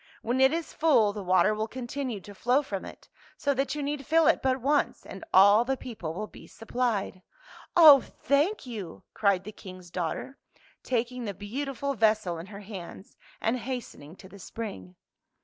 When it is full, the water will continue to flow from it, so that you need fill it but once and all the people will be supplied." " Oh, thank you !" cried the King's daughter, taking the beautiful vessel in her hands, and hastening to the spring.